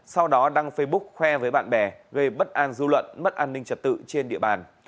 sau đó đăng facebook khoe với bạn bè gây bất an dư luận mất an ninh trật tự trên địa bàn